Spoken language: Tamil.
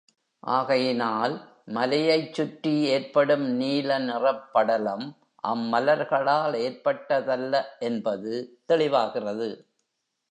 ஆகையினால் மலையைச் சுற்றி ஏற்படும் நீல நிறப்படலம் அம்மலர்களால் ஏற்பட்டதல்ல என்பது தெளிவாகிறது.